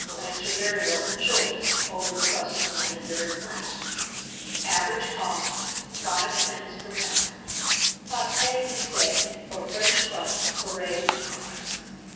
will answer very well for children, or where the crust is wanted very plain. Average cost, 5d. per lb. PATE BRISEE, or FRENCH CRUST, for Raised Pies.